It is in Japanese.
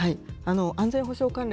安全保障関連